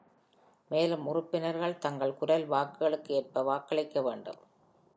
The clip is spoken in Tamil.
மேலும், உறுப்பினர்கள் தங்கள் குரல் வாக்குகளுக்கு ஏற்ப வாக்களிக்க வேண்டும்.